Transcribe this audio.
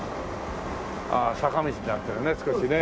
ああ坂道になってるね少しね。